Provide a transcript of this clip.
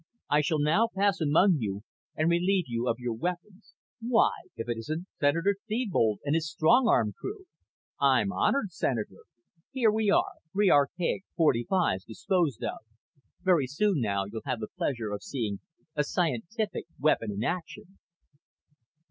"I shall now pass among you and relieve you of your weapons. Why, if it isn't Senator Thebold and his strong arm crew! I'm honored, Senator. Here we are: three archaic .45's disposed of. Very soon now you'll have the pleasure of seeing a scientific weapon in action."